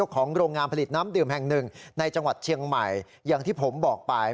ของโรงงานผลิตน้ำดื่มแห่งหนึ่งในจังหวัดเชียงใหม่อย่างที่ผมบอกไป